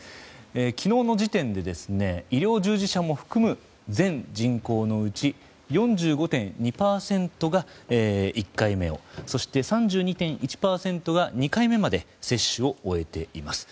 昨日の時点で医療従事者も含む全人口のうち４５．２％が１回目をそして３２．１％が２回目まで接種を終えています。